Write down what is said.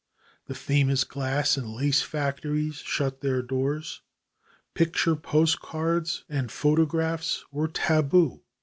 The famous glass and lace factories shut their doors. Picture postcards and photographs were taboo.